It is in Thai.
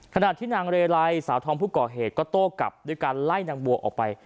ขณะที่นางเรไลสาวธอมผู้ก่อเหตุก็โต้กลับด้วยการไล่นางบัวออกไป